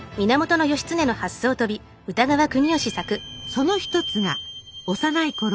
その一つが幼いころ